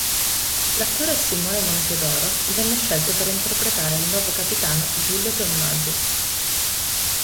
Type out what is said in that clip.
L'attore Simone Montedoro venne scelto per interpretare il nuovo capitano Giulio Tommasi.